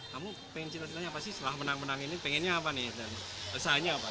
kamu pengen cinta cinanya apa sih setelah menang menang ini pengennya apa nih